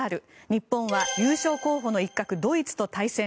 日本は優勝候補の一角ドイツと対戦。